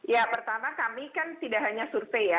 ya pertama kami kan tidak hanya survei ya